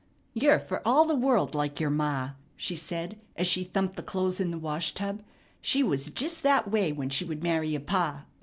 "You're fer all the world like yer ma," she said as she thumped the clothes in the wash tub. "She was jest that way, when she would marry your pa.